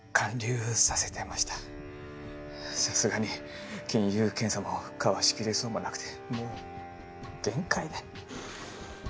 さすがに金融検査もかわしきれそうもなくてもう限界で。